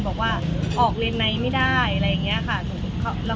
๒พิโลกว่าก็ตลอดทางเลยครับใช่ตลอดทางเลยค่ะไม่หยุดเลยค่ะ